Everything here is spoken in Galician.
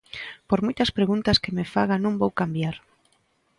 Por moitas preguntas que me faga non vou cambiar.